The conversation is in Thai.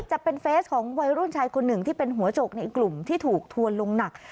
จะเป็นเฟสของวัยรุ่นชายคนหนึ่งที่เป็นหัวโจกในกลุ่มที่ถูกทวนลงหนัก